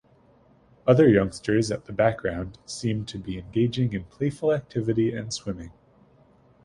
Other youngsters at the background seem to be engaging in playful activity and swimming.